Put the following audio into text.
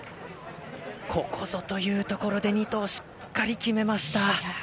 ここぞというところで２投、しっかり決めました。